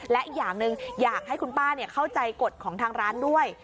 และอีกอย่างหนึ่งอยากให้คุณป้าเข้าใจกฎของทางร้านด้วย